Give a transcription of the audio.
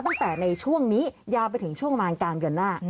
ตั้งแต่ในช่วงนี้ยาวไปถึงช่วงมารกามเดือนหน้า